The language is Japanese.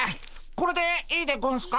これでいいでゴンスか？